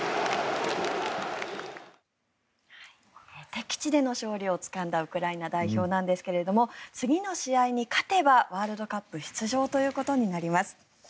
敵地での勝利をつかんだウクライナ代表なんですが次の試合に勝てばワールドカップ出場ということになります。